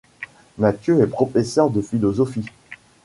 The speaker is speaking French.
Mathieu est professeur de philosophie.